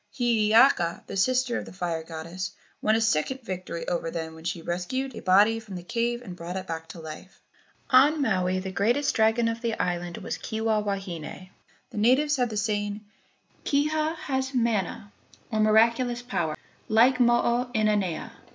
Hiiaka, the sister of the fire goddess, won a second victory over them when she rescued a body from the cave and brought it back to life. On Maui, the greatest dragon of the island was Kiha wahine. The natives had the saying, "Kiha has mana, or miraculous power, like Mo o inanea."